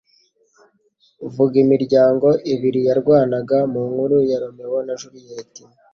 Vuga Imiryango ibiri Yarwanaga Mu Nkuru ya Romeo & Juliet